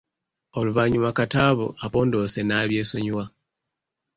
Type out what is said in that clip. Oluvannyuma Kataabu apondoose n’abyesonyiwa.